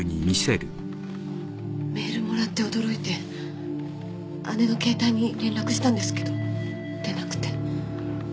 メールもらって驚いて姉の携帯に連絡したんですけど出なくて。